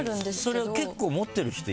それを結構持ってる人いる？